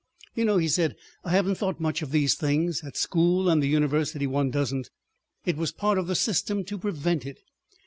"You know," he said, "I haven't thought much of these things. At school and the university, one doesn't. ... It was part of the system to prevent it.